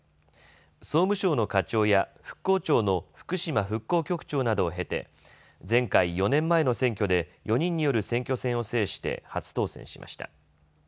総務省の課長や復興庁の福島復興局長などを経て前回４年前の選挙で４人による選挙戦を制して初当選しました。